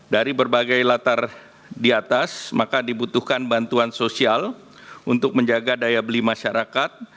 dari berbagai latar di atas maka dibutuhkan bantuan sosial untuk menjaga daya beli masyarakat